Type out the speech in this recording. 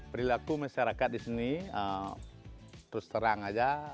perilaku masyarakat disini terus terang saja